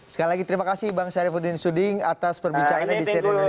sekali lagi terima kasih bang syarifudin suding atas perbincangannya di seri indonesia